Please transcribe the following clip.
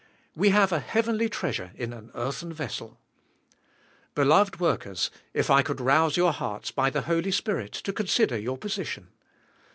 We have a heavenly treasure in an earthen vessel. Beloved workers, if I could rouse your hearts by the Holy Spirit to consider your position.